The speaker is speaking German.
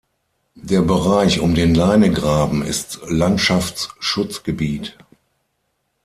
Der Bereich um den Leinegraben ist Landschaftsschutzgebiet.